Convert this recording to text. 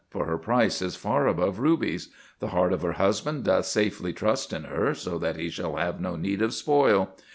for her price is far above rubies. The heart of her husband doth safely trust in her, so that he shall have no need of spoil.